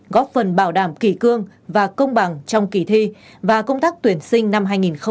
góp phần bảo đảm kỳ cương và công bằng trong kỳ thi và công tác tuyển sinh năm hai nghìn hai mươi